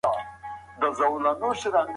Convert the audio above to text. دا هغه حقوقي رکنونه دي چي په اروپا کي جوړ سول.